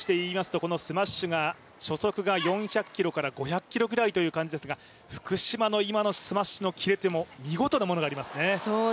男子選手でいいますとスマッシュが初速が４００キロから５００キロぐらいという感じですが福島の今のスマッシュのキレというのも見事なものがありますね。